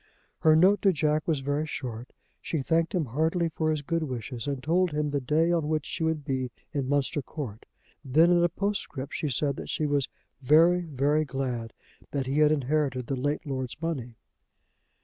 Her note to Jack was very short. She thanked him heartily for his good wishes, and told him the day on which she would be in Munster Court. Then in a postscript she said that she was "very, very glad" that he had inherited the late lord's money.